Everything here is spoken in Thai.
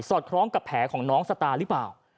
อดคล้องกับแผลของน้องสตาร์หรือเปล่า